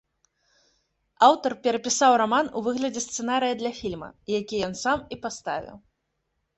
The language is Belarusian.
Аўтар перапісаў раман у выглядзе сцэнарыя для фільма, які ён сам і паставіў.